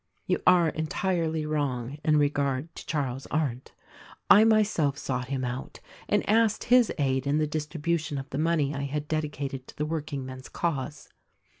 "You are entirely wrong in regard to Charles Arndt. I myself sought him out and asked his aid in the distribution of the money I had dedicated to the workingmen's cause.